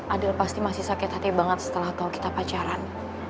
adel pasti masih sakit hati banget setelah tahu kita pacaran